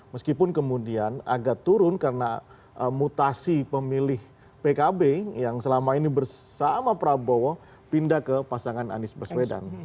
meskipun kemudian agak turun karena mutasi pemilih pkb yang selama ini bersama prabowo pindah ke pasangan anies baswedan